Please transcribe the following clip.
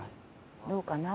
どうかな？